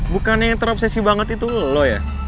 bukannya yang terobsesi banget itu loh ya